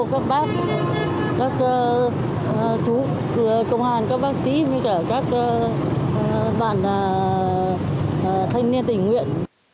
các bác các chú công hàn các bác sĩ các bạn thanh niên tình nguyện